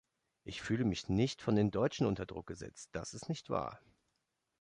Ich fühle mich nicht von den Deutschen unter Druck gesetzt, das ist nicht wahr.